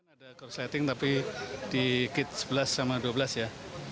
ada korsleting tapi di kit sebelas sama dua belas ya